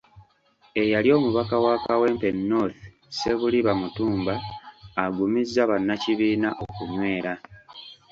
Eyali omubaka wa Kawempe North Ssebuliba Mutumba agumizza bannakibiina okunywera.